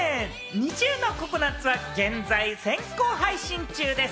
ＮｉｚｉＵの『ＣＯＣＯＮＵＴ』は現在先行配信中です。